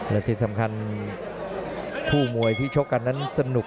และที่สำคัญคู่มวยที่ชกกันนั้นสนุก